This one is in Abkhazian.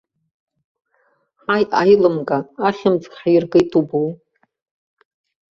Ҳаи аилымга, ахьымӡӷ ҳиргеит убоу.